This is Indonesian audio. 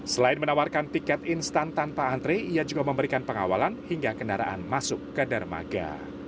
selain menawarkan tiket instan tanpa antre ia juga memberikan pengawalan hingga kendaraan masuk ke dermaga